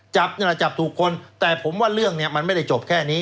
จับนี่แหละจับถูกคนแต่ผมว่าเรื่องเนี่ยมันไม่ได้จบแค่นี้